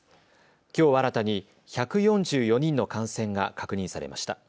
きょう新たに１４４人の感染が確認されました。